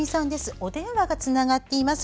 お電話がつながっています。